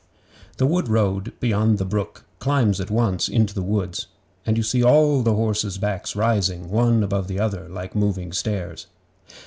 The Wood road beyond the brook climbs at once into the woods, and you see all the horses' backs rising, one above another, like moving stairs.